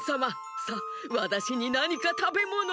さあわたしになにかたべものを！